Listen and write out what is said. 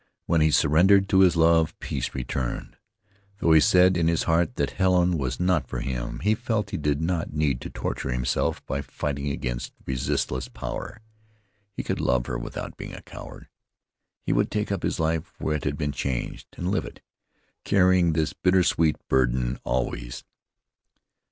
When he surrendered to his love, peace returned. Though he said in his heart that Helen was not for him, he felt he did not need to torture himself by fighting against resistless power. He could love her without being a coward. He would take up his life where it had been changed, and live it, carrying this bitter sweet burden always.